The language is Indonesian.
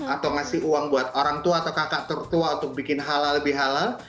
atau ngasih uang buat orang tua atau kakak tertua untuk bikin halal bihalal